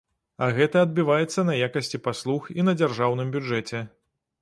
А гэта адбіваецца на якасці паслуг і на дзяржаўным бюджэце.